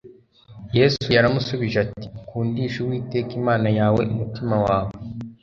yesu yaramusubije ati ukundishe uwiteka, imana yawe umutima wawe